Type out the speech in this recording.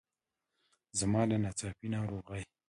زما له ناڅاپي ناروغۍ.